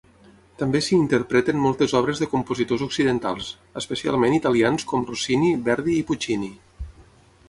També s'hi interpreten moltes obres de compositors occidentals, especialment italians com Rossini, Verdi i Puccini.